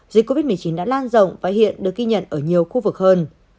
dịch covid một mươi chín đã lan rộng và hiện được ghi nhận ở nhiều khu vực hơn